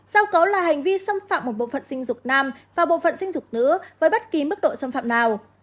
giao cấu là hành vi xâm phạm một bộ phận sinh dục nam và bộ phận sinh dục nữ với bất kỳ mức độ xâm phạm nào